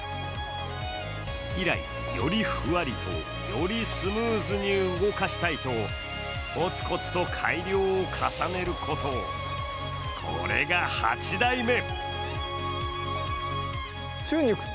以来、よりふわりと、よりスムーズに動かしたいとコツコツと改良を重ねること、これが８台目。